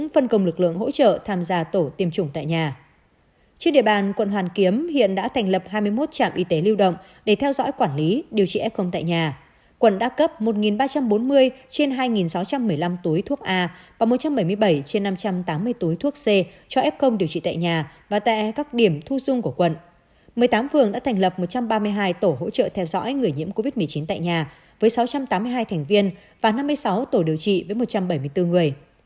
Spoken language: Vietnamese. một mươi tám phường đã thành lập một trăm ba mươi hai tổ hỗ trợ theo dõi người nhiễm covid một mươi chín tại nhà với sáu trăm tám mươi hai thành viên và năm mươi sáu tổ điều trị với một trăm bảy mươi bốn người